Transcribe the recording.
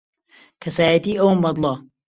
کەسایەتیی ئەوم بەدڵە.